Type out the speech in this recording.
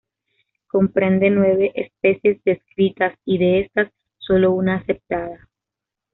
Comprende nueve especies descritas y de estas, solo una aceptada.